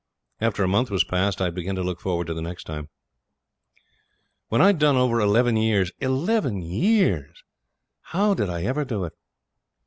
After a month was past I'd begin to look forward to the next time. When I'd done over eleven years eleven years! how did I ever do it?